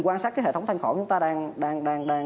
quan sát cái hệ thống thanh khẩu chúng ta đang